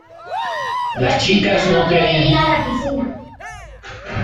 Las chicas no querían ir a la piscina.